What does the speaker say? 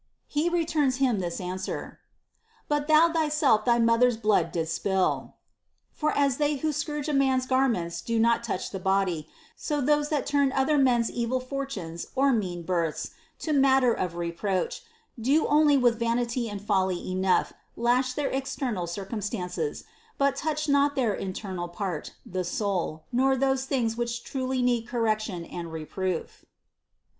91 he returns him this answer, But thou thyself thy mother's blood did spill. For as they who scourge a man's garments do not touch the body, so those that turn other men's evil fortunes or mean births to matter of reproach do only with vanity and folly enough lash their external circumstances, but touch not their internal part, the soul, nor those things which truly need correction and reproof.